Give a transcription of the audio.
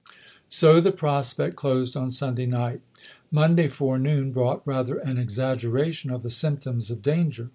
So the prospect closed on Sunday night. Mon day forenoon brought rather an exaggeration of the symptoms of danger.